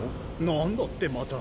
なんだってまた。